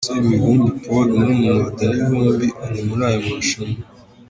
Semivumbi Paul murumuna wa Danny Vumbi ari muri aya marushanwa.